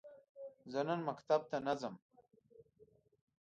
زه نن مکتب ته نه ځم.